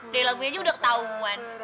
dari lagunya aja udah ketahuan